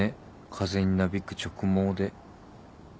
風になびく直毛で。